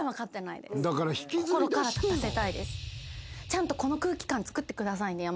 ちゃんとこの空気感つくってくださいね。